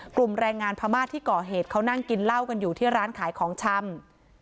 แรงงานพม่าที่ก่อเหตุเขานั่งกินเหล้ากันอยู่ที่ร้านขายของชำ